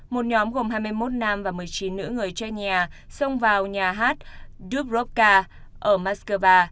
một nhóm gồm hai mươi một nam và một mươi chín nữ người chania xông vào nhà hát dubrovka ở moscow